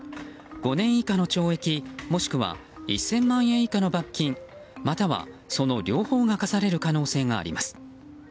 ５年以下の懲役もしくは１０００万円以下の罰金または、その両方が科される可能性があります。